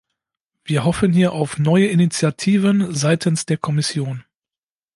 Wir hoffen hier auf neue Initiativen seitens der Kommission.